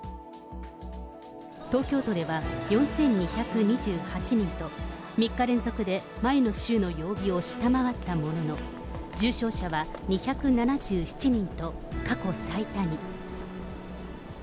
東京都では、４２２８人と、３日連続で前の週の曜日を下回ったものの、重症者は２７７人と、過去最多に。